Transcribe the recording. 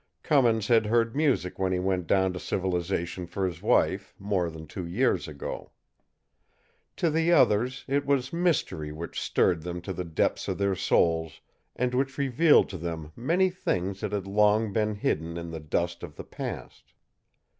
Cummins had heard music when he went down to civilization for his wife, more than two years ago. To the others it was mystery which stirred them to the depths of their souls, and which revealed to them many things that had long been hidden in the dust of the past.